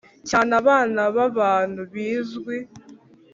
cyane abana b abantu bizwi